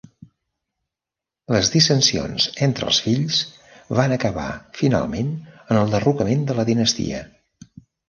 Les dissensions entre els fills van acabar finalment en el derrocament de la dinastia.